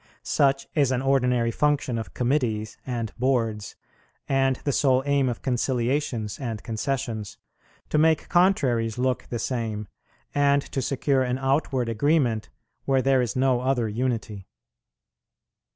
Such is an ordinary function of committees and boards, and the sole aim of conciliations and concessions, to make contraries look the same, and to secure an outward agreement where there is no other unity.